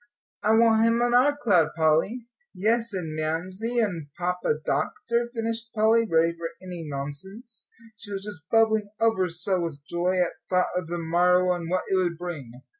"I want him on our cloud, Polly." "Yes, and Mamsie and Papa Doctor," finished Polly, ready for any nonsense, she was just bubbling over so with joy at thought of the morrow and what it would bring.